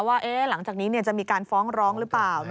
ว่าหลังจากนี้จะมีการฟ้องร้องหรือเปล่า